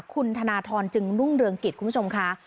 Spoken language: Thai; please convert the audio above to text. คุณธนทรจึงรุ่งเรืองกิจคุณผู้ชมค่ะ